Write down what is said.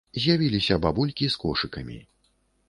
З'явіліся бабулькі з кошыкамі.